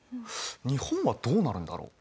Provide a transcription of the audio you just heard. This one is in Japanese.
日本はどうなるんだろう？